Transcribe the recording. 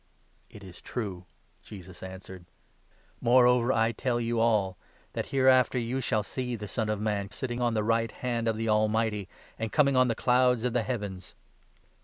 "It is true,' Jesus answered; "moreover I tell you all 64 that hereafter you shall ' see the Son of Man sitting on the right hand of the Almighty, and coming on the clouds of the heavens.'